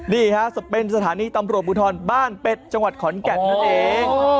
นี่ฮะเป็นสถานีตำรวจภูทรบ้านเป็ดจังหวัดขอนแก่นนั่นเอง